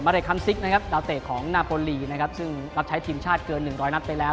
มาริคัมซิกนาโพลีซึ่งรับใช้ทีมชาติเกิน๑๐๐นับไปแล้ว